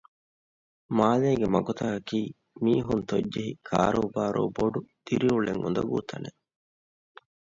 މާލޭގެ މަގުތަކަކީ މީހުން ތޮއްޖެހި ކާރުބާރު ބޮޑު ދިރިއުޅެން އުނދަގޫ ތަނެއް